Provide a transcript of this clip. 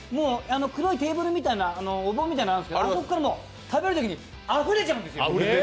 黒いテーブルみたいなお盆があるんですけどあそこから食べるときにあふれちゃうんですよ。